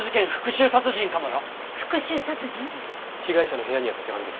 被害者の部屋にあった手紙です。